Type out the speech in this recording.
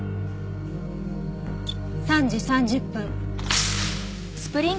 ３時３０分。